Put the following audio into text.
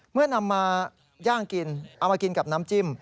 เมื่อนำมาย่างกินเอามากินกับน้ำจิ้ม